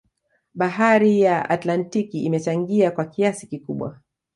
Bahari ya Atlantiki imechangia kwa kiasi kikubwa